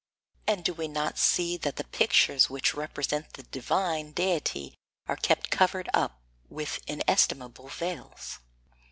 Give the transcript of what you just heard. and do we not see that the pictures which represent the divine deity are kept covered up with inestimable veils?